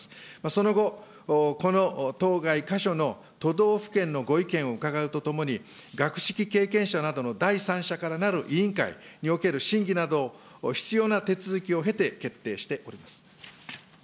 その後、この当該箇所の都道府県のご意見を伺うとともに、学識経験者などの第三者からなる委員会における審議など、必要な手続きを経て決定しております。